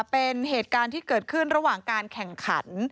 เป็นเหตุการณ์ที่เกิดขึ้นระหว่างการแข่งขัน